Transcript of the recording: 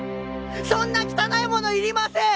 そんな汚いものいりません！